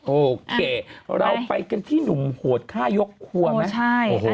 โอเคเราไปกันที่หนุ่มโหดฆ่ายกครัวไหม